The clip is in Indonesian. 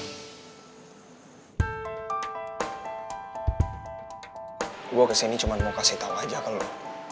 gue kesini cuma mau kasih tau aja ke lo